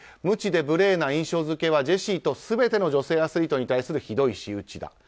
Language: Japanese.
無知で無礼な印象付けはジェシーと全ての女性アスリートに対するひどい仕打ちだ。